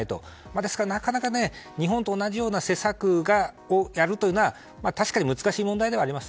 だからなかなか日本と同じような施策をやるというのは確かに難しい問題であります。